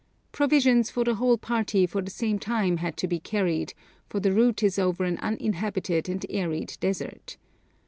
Provisions for the whole party for the same time had to be carried, for the route is over an uninhabited and arid desert.